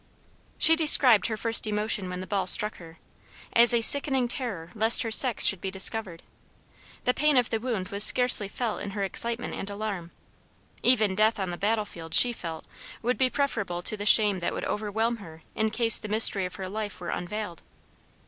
She described her first emotion when the ball struck her, as a sickening terror lest her sex should be discovered. The pain of the wound was scarcely felt in her excitement and alarm, even death on the battle field she felt would be preferable to the shame that would overwhelm her in case the mystery of her life were unveiled.